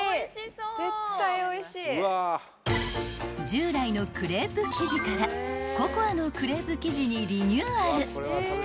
［従来のクレープ生地からココアのクレープ生地にリニューアル］